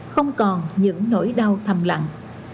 không còn những nỗi đau thầm lặng